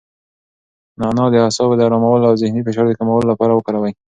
نعناع د اعصابو د ارامولو او د ذهني فشار د کمولو لپاره وکاروئ.